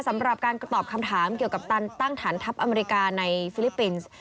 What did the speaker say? สำหรับการตอบคำถามเกี่ยวกับตันตั้งฐานทัพอเมริกาในฟิลิปปินส์